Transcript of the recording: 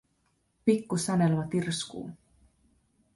Pikku Sanelma tirskuu.